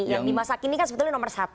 yang di masa kini kan sebetulnya nomor satu